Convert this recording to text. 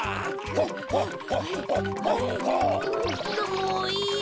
もういや。